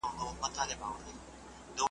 کنه ولي به مي شپه وړلای مخموره ,